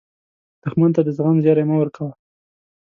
دښمن ته د زغم زیری مه ورکوه